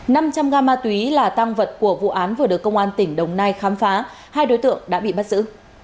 năm trăm linh ga ma túy là tăng vật của vụ án vừa được công an tỉnh đồng nai khám phá hai đối tượng đã bị bắt giữ